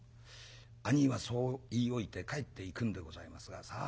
兄ぃはそう言い置いて帰っていくんでございますがさあ